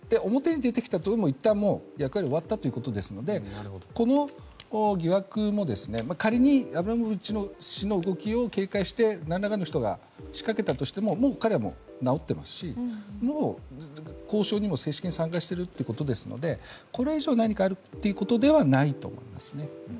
表に出てきたというのはいったん、役割が終わったということですのでこの疑惑も仮にアブラモビッチ氏の動きを警戒して何らかの人が仕掛けたとしてももう彼も治っていますし交渉にも正式に参加しているということですのでこれ以上何かあるということではないと思います。